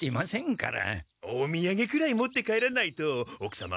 おみやげくらい持って帰らないとおくさま